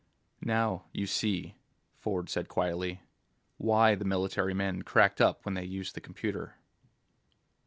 "Now you see," Ford said quietly, "why the military men cracked up when they used the computer."